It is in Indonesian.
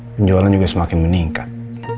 penjualan juga semakin meningkat